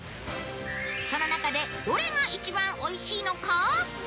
その中でどれが一番おいしいのか？